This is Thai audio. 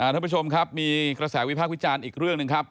ท่านผู้ชมครับมีกระแสวิพากษ์วิจารณ์อีกเรื่องหนึ่งครับ